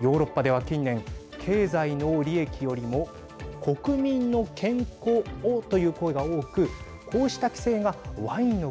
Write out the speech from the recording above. ヨーロッパでは近年経済の利益よりも国民の健康を、という声が多くこうした規制がワインの国